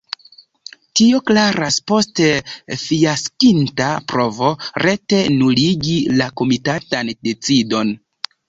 Tio klaras post fiaskinta provo rete nuligi la komitatan decidon.